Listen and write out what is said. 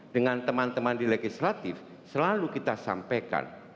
dengan teman teman di legislatif selalu kita sampaikan